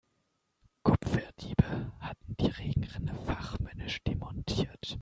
Kupferdiebe hatten die Regenrinne fachmännisch demontiert.